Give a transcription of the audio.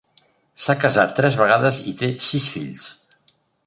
S'ha casat tres vegades i té sis fills.